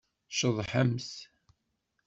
Ceḍḥemt!